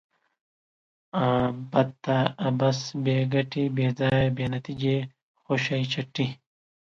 ابته ؛ عبث، بې ګټي، بې ځایه ، بې نتیجې، خوشي چټي